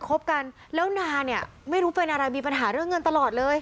คบกันแล้วนาเนี่ยไม่รู้เป็นอะไรมีปัญหาเรื่องเงินตลอดเลย